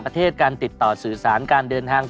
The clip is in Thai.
ได้ศรแล้วพระรามเดินดง